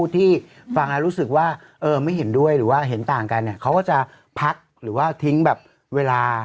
แต่เห็นต่างกันเนี่ยเขาก็จะพักหรือว่าทิ้งแบบเวลา